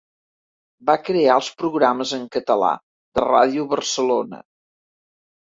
Va crear els programes en català de Ràdio Barcelona.